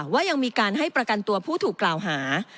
ว่ายังมีการให้ประกันตัวผู้ถูกกล่าวหา